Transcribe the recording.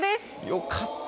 よかった。